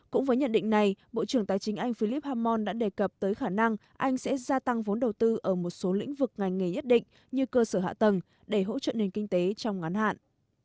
cũng với nhận định này bộ trưởng tài chính anh philip hammon đã đề cập tới khả năng anh sẽ gia tăng vốn đầu tư ở một số lĩnh vực ngành nghề nhất định như cơ sở hạ tầng để hỗ trợ nền kinh tế trong ngắn hạn